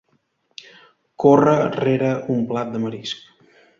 Corre rere un plat de marisc.